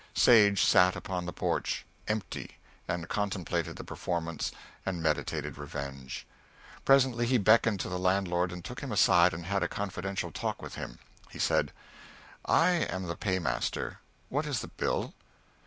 Sage sat upon the porch, empty, and contemplated the performance and meditated revenge. Presently he beckoned to the landlord and took him aside and had a confidential talk with him. He said, "I am the paymaster. What is the bill?"